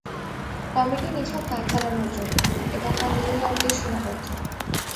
Committee নিছক কাজ চালানর জন্য এবং তা নিউ ইয়র্কেই সীমাবদ্ধ।